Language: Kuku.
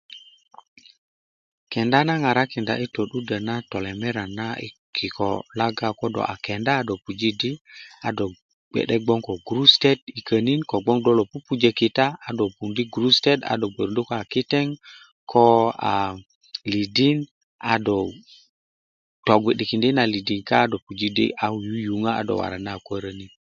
kenda na ŋarakinda i to'dudö na telemerian na i kiko lo laga ko do kenda a do puji di a do bge'de bgwon ko gurusutöt i könin kogwon do lo pupujö kita a do puundi gurusutöt a do bgworundi ko a kiteŋ kode lidin a do tobgi'dikindi i na lidin ka a do puji di a yuyuŋö a do bge a kuwörönit